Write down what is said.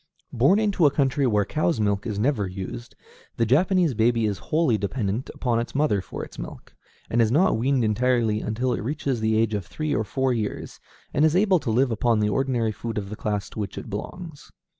Born into a country where cow's milk is never used, the Japanese baby is wholly dependent upon its mother for milk, and is not weaned entirely until it reaches the age of three or four years, and is able to live upon the ordinary food of the class to which it belongs.